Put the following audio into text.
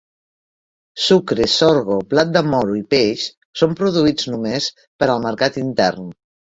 Sucre, sorgo, blat de moro i peix són produïts només per al mercat intern.